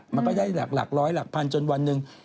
มันก็ได้หลักร้อยหลักพันจนวันหนึ่ง